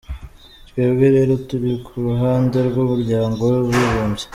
Twebwe rero turi ku ruhande rw’ Umuryango w’Abibumbye.”